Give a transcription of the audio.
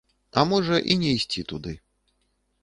А можа, і не ісці туды.